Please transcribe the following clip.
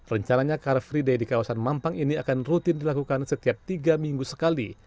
rencananya car free day di kawasan mampang ini akan rutin dilakukan setiap tiga minggu sekali